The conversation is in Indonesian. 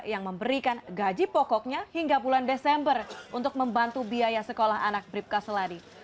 yang memberikan gaji pokoknya hingga bulan desember untuk membantu biaya sekolah anak bribka seladi